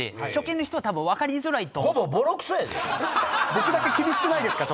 僕だけ厳しくないですか？